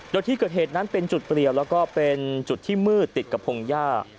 โดยที่เกิดเหตุนั้นเป็นจุดเปรียวแล้วก็เป็นจุดที่มืดติดกับพงหญ้า